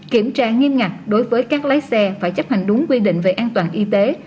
kiểm tra nghiêm ngặt đối với các lái xe phải chấp hành đúng quy định về an toàn y tế